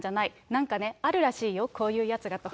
なんかね、あるらしいよ、こういうやつがと。